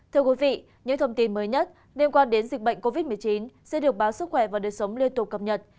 thưa quý vị những thông tin mới nhất liên quan đến dịch bệnh covid một mươi chín sẽ được báo sức khỏe và đời sống liên tục cập nhật